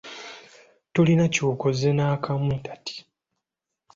Tolina kyokoze nakamu kati.